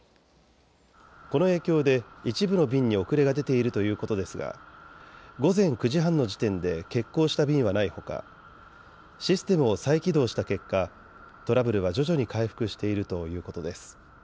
この影響で一部の便に遅れが出ているということですが午前９時半の時点で欠航した便はないほかシステムを再起動した結果、トラブルは徐々に回復しているということです。